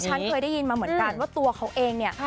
ฉันเคยได้ยินมาเหมือนกันว่าตัวเขาเองเนี่ย